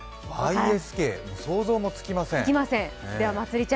ＹＳＫ、想像もつきません。